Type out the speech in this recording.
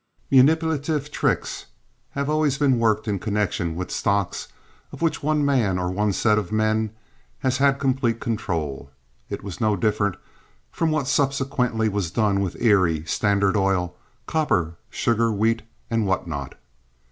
Manipulative tricks have always been worked in connection with stocks of which one man or one set of men has had complete control. It was no different from what subsequently was done with Erie, Standard Oil, Copper, Sugar, Wheat, and what not.